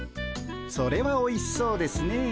それはおいしそうですねえ。